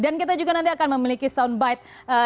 dan kita juga nanti akan memiliki soundbite